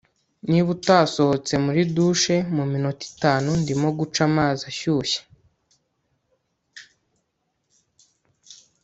niba utasohotse muri douche muminota itanu, ndimo guca amazi ashyushye